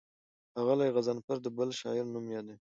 ښاغلی غضنفر د بل شاعر نوم یادوي.